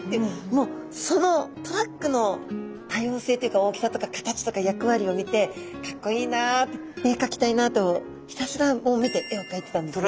もうそのトラックの多様性っていうか大きさとか形とか役割を見てかっこいいなって絵描きたいなとひたすらもう見て絵を描いてたんですね。